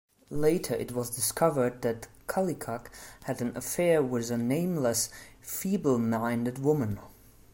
Later, it was discovered that Kallikak had an affair with a "nameless feeble-minded woman".